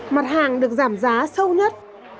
mặt hàng được giảm giá sâu nhất